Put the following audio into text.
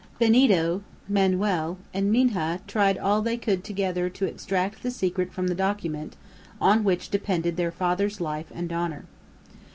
Benito, Manoel, and Minha tried all they could together to extract the secret from the document on which depended their father's life and honor.